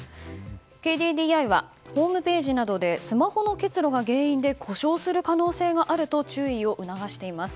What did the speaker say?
ＫＤＤＩはホームページなどでスマホの結露が原因で故障する可能性があると注意を促しています。